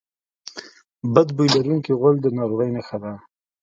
بد بوی لرونکی غول د ناروغۍ نښه ده.